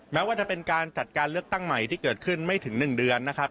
แม้ว่าจะเป็นการจัดการเลือกตั้งใหม่ที่เกิดขึ้นไม่ถึง๑เดือนนะครับ